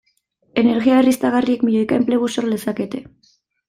Energia berriztagarriek milioika enplegu sor lezakete.